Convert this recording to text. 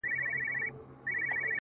خو دده زامي له يخه څخه رېږدي’